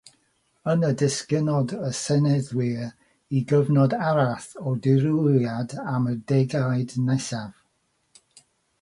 Yna disgynnodd y Seneddwyr i gyfnod arall o ddirywiad am y ddegawd nesaf.